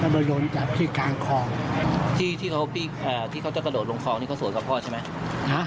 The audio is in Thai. แล้วมันโดนจากที่กลางคลองที่ที่เขาพี่อ่าที่เขาจะกระโดดลงคลองนี่เขาสวนกับพ่อใช่ไหมฮะ